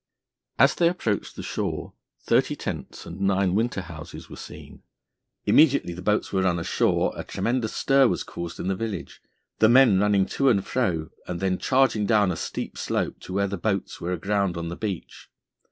As they approached the shore, thirty tents and nine winter houses were seen. Immediately the boats were run ashore a tremendous stir was caused in the village, the men running to and fro and then charging down a steep slope to where the boats were aground on the beach.